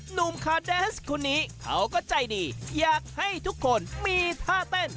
หนุ่มคาเดนส์คนนี้เขาก็ใจดีอยากให้ทุกคนมีท่าเต้น